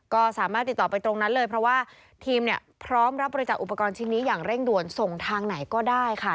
ก็สามารถติดต่อไปตรงนั้นเลยเพราะว่าทีมเนี่ยพร้อมรับบริจาคอุปกรณ์ชิ้นนี้อย่างเร่งด่วนส่งทางไหนก็ได้ค่ะ